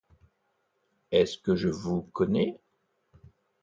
Est-ce que je vous connais?